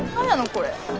これ。